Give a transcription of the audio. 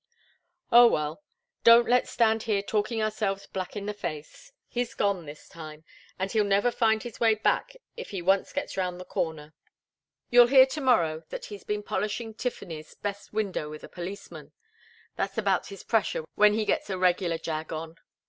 Oh, well! Don't let's stand here talking ourselves black in the face. He's gone, this time, and he'll never find his way back if he once gets round the corner. You'll hear to morrow that he's been polishing Tiffany's best window with a policeman. That's about his pressure when he gets a regular jag on.